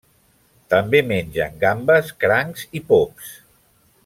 També mengen gambes, crancs i pops.